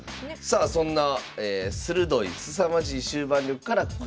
さあそんな鋭いすさまじい終盤力からこちら。